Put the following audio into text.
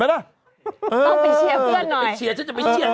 เออต้องไปเชียร์เพื่อนหน่อยเออเออเออเอออ่าเออเออ